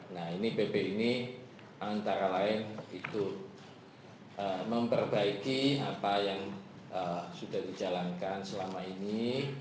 nah ini pp ini antara lain itu memperbaiki apa yang sudah dijalankan selama ini